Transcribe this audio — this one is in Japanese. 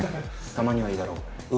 「たまにはいいだろう。